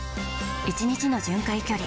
１日の巡回距離